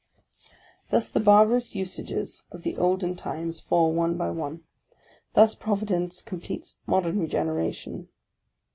" Thus the barbarous usages of the olden times fall one by one; thus Providence completes modern regeneration.